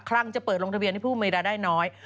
ลังจะเปิดลงทะเบียนให้ผู้มีรายได้น้อย